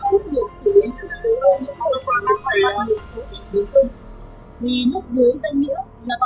trước khi diễn ra sự kiện cây chối này ngày sáu tháng một mươi hai năm hai nghìn một mươi sáu